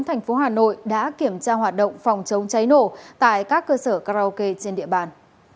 thành phố hà nội đã kiểm tra hoạt động phòng chống cháy nổ tại các cơ sở karaoke trên địa bàn